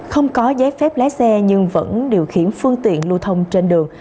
không có giấy phép lái xe nhưng vẫn điều khiển phương tiện lưu thông trên đường